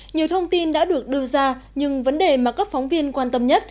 nhiều thông tin đã được đưa ra nhưng vấn đề mà các phóng viên quan tâm nhất